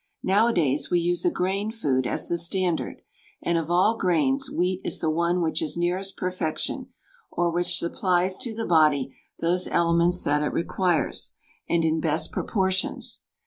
Nowadays we use a grain food as the standard, and of all grains wheat is the one which is nearest perfection, or which supplies to the body those elements that it requires, and in best proportions.